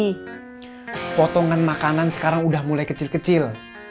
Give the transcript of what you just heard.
ini potongan makanan sekarang udah mulai kecil kecil